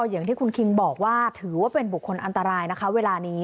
อย่างที่คุณคิงบอกว่าถือว่าเป็นบุคคลอันตรายนะคะเวลานี้